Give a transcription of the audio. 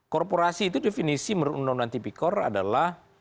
korporasi itu definisi menurut undang undang tipikor adalah